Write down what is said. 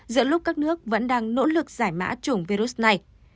giữa lúc các nước vẫn đang nỗ lực giải mã chủng virus này